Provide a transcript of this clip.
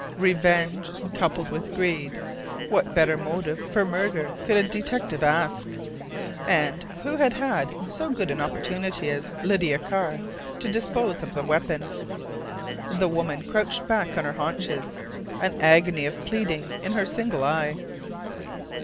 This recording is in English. Revenge, coupled with greed.... What better motive for murder could a detective ask? And who had had so good an opportunity as Lydia Carr to dispose of the weapon? The woman crouched back on her haunches, an agony of pleading in her single eye.